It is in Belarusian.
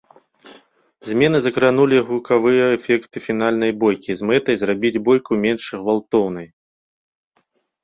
Змены закранулі гукавыя эфекты фінальнай бойкі з мэтай зрабіць бойку менш гвалтоўнай.